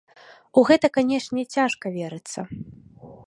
У гэта, канечне, цяжка верыцца.